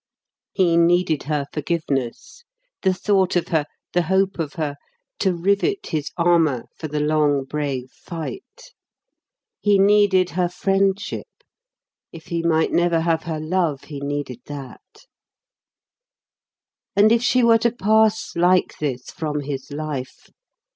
He needed her forgiveness, the thought of her, the hope of her, to rivet his armour for the long, brave fight. He needed her Friendship if he might never have her love he needed that. And if she were to pass like this from his life....